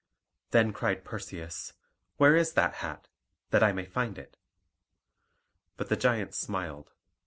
Then cried Perseus, "Where is that hat, that I may find it?" But the giant smiled.